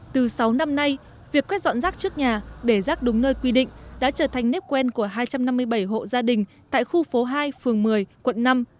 từ sáu năm nay việc quét dọn rác trước nhà để rác đúng nơi quy định đã trở thành nếp quen của hai trăm năm mươi bảy hộ gia đình tại khu phố hai phường một mươi quận năm